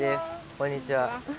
こんにちは。